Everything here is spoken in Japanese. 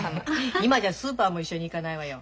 今じゃスーパーも一緒に行かないわよ。